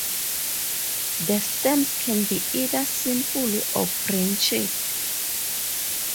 The stems can be either simple or branched.